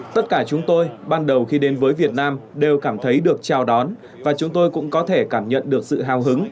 tất cả chúng tôi ban đầu khi đến với việt nam đều cảm thấy được chào đón và chúng tôi cũng có thể cảm nhận được sự hào hứng